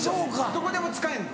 どこでも使えるの？